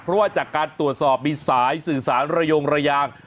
เพราะว่าจากการตรวจสอบมีสายสื่อสารระยงระยาง